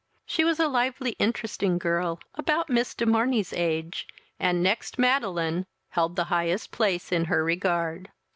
She was a lively interesting girl, about Miss de Morney's age, and, next Madeline, held the highest place in her regard.